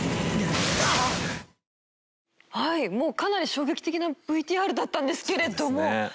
はいもうかなり衝撃的なＶＴＲだったんですけれども。